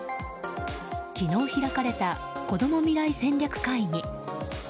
昨日開かれたこども未来戦略会議。